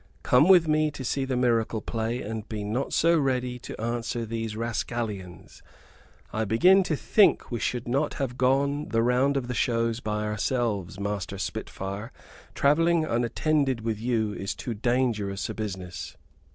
Come with me to see the miracle play, and be not so ready to answer these rascallions. I begin to think that we should not have gone the round of the shows by ourselves, Master Spitfire. Travelling unattended with you is too dangerous a business."